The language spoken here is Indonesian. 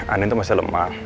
andien tuh masih lemah